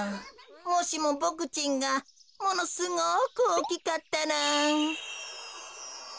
もしもボクちんがものすごくおおきかったら。